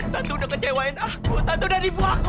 tante udah kecewain aku tante udah ribu aku